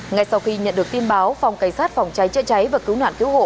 ngay sau khi nhận được tin báo phòng cảnh sát phòng cháy chữa cháy và cứu nạn cứu hộ